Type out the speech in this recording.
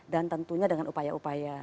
dan tentunya dengan upaya upaya